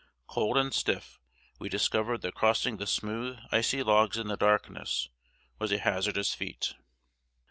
Cold and stiff, we discovered that crossing the smooth, icy logs in the darkness was a hazardous feat.